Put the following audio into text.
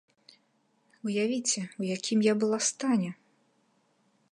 Уявіце, у якім я была стане!